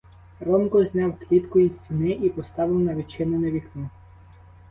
Ромко зняв клітку із стіни і поставив на відчинене вікно.